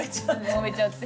もめちゃって。